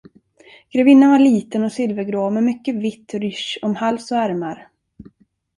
Grevinnan var liten och silvergrå med mycket vitt rysch om hals och ärmar.